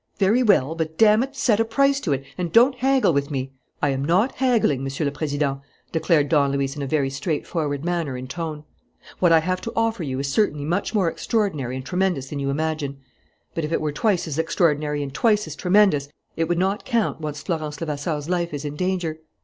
Very well, but damn it, set a price to it and don't haggle with me!" "I am not haggling, Monsieur le Président," declared Don Luis, in a very straightforward manner and tone. "What I have to offer you is certainly much more extraordinary and tremendous than you imagine. But if it were twice as extraordinary and twice as tremendous, it would not count once Florence Levasseur's life is in danger.